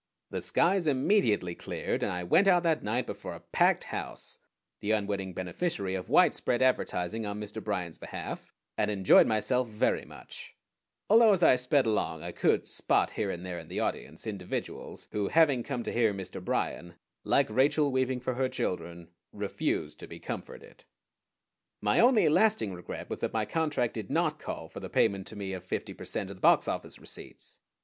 The skies immediately cleared, and I went out that night before a packed house, the unwitting beneficiary of widespread advertising on Mr. Bryan's behalf, and enjoyed myself very much; although as I sped along I could "spot" here and there in the audience individuals who, having come to hear Mr. Bryan, like Rachel weeping for her children, "refused to be comforted." My only lasting regret was that my contract did not call for the payment to me of fifty per cent. of the boxoffice receipts.